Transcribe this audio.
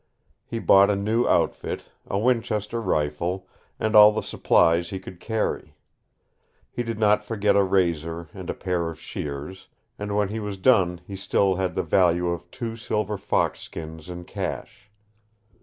He bought a new outfit, a Winchester rifle, and all the supplies he could carry. He did not forget a razor and a pair of shears, and when he was done he still had the value of two silver fox skins in cash.